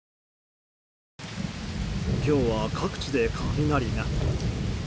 今日は、各地で雷が。